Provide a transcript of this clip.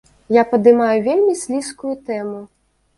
Я падымаю вельмі слізкую тэму.